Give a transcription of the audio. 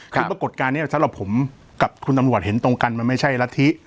คือปรากฏการณ์นี้สำหรับผมกับคุณตำรวจเห็นตรงกันมันไม่ใช่รัฐธิ